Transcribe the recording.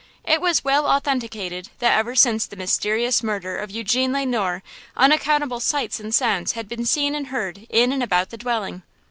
It was well authenticated that ever since the mysterious murder of Eugene Le Noir unaccountable sights and sounds had been seen and heard in and about the dwelling.